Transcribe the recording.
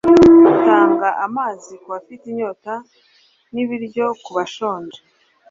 tanga amazi ku bafite inyota n'ibiryo ku bashonje